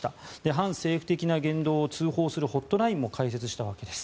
反政府的な言動を通報するホットラインを開設したわけです。